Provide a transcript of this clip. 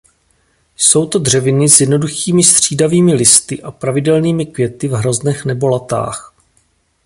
Jsou to dřeviny s jednoduchými střídavými listy a pravidelnými květy v hroznech nebo latách.